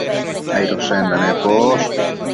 Aidoshenda neposh